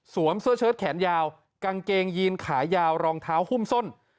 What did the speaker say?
เสื้อเชิดแขนยาวกางเกงยีนขายาวรองเท้าหุ้มส้น